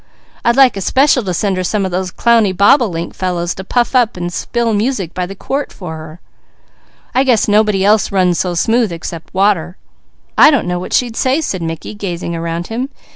I'd like especial to send her some of these clowny bobolink fellows to puff up and spill music by the quart for her; I guess nothing else runs so smooth except water." "I don't know what she'd say," said Mickey gazing around him.